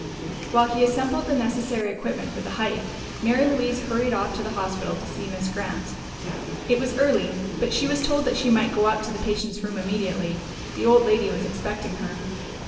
While he assembled the necessary equipment for the hike, Mary Louise hurried off to the hospital to see Miss Grant. It was early, but she was told that she might go up to the patient's room immediately. The old lady was expecting her.